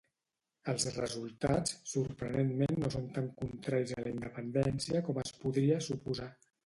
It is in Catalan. Els resultats sorprenentment no son tan contraris a la independència com es podria suposar